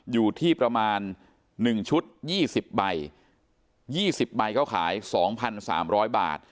อยู่ที่ประมาณ๑ชุด๒๐ใบ๒๐ใบเขาขาย๒๓๐๐บาท